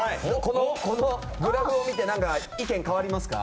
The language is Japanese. このグラフを見て意見変わりますか？